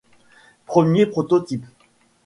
Premier prototype.